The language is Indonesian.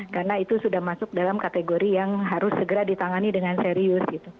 karena itu sudah masuk dalam kategori yang harus segera ditangani dengan serius